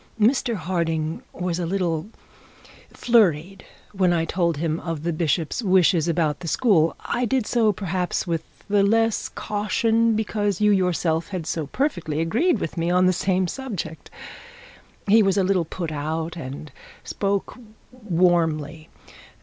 Mr Harding was a little flurried when I told him of the bishop's wishes about the school. I did so, perhaps, with less caution because you yourself had so perfectly agreed with me on the same subject. He was a little put out and spoke warmly.